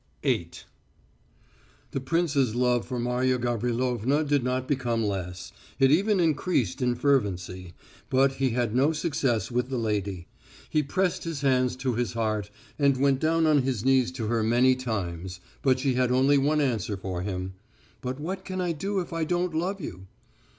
VIII The prince's love for Marya Gavrilovna did not become less, it even increased in fervency, but he had no success with the lady. He pressed his hands to his heart, and went down on his knees to her many times, but she had only one answer for him: "But what can I do if I don't love you?"